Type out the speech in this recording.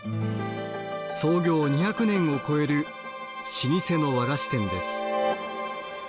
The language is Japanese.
創業２００年を超える老舗の和菓子店です。